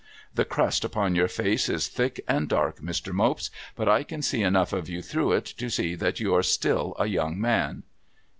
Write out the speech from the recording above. The crust upon your face is thick and dark, Mr. Mopes, but I can see enough of you through it, to see that you are still a young man.'